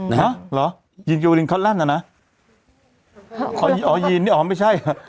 นะฮะเหรอยีนเกวอลินคอตแลนด์นะอ๋อยีนนี่อ๋อไม่ใช่